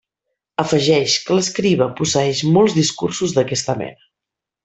Afegeix que l'escriba posseeix molts discursos d'aquesta mena.